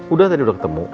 udah tadi udah ketemu